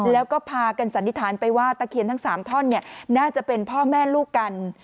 แล้วก็พากันสันนิษฐานไปว่าตะเคียนทั้ง๓ท่อนน่าจะเป็นพ่อแม่ลูกกัน